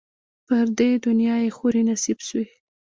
پر دې دنیا یې حوري نصیب سوې